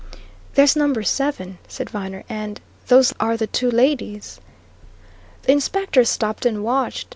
"That's number seven," said Viner. "And those are the two ladies." The Inspector stopped and watched.